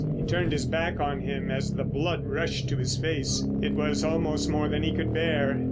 He turned his back on him as the blood rushed to his face. It was almost more than he could bear.